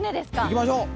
行きましょう。